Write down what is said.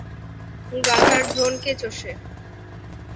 গাধার ধোন কে চোষে?